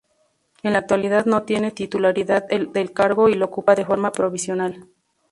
En la actualidad no tiene titularidad del cargo y lo ocupa de forma provisional.